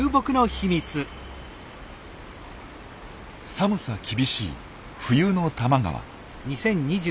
寒さ厳しい冬の多摩川。